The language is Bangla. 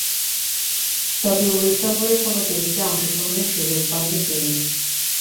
তবে ঐ সফরে কোন টেস্টে অংশগ্রহণের সুযোগ পাননি তিনি।